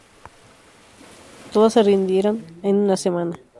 Todas se rindieron en una semana.